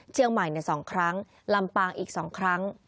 เชียงใหม่๒ครั้งลำปางอีก๒ครั้ง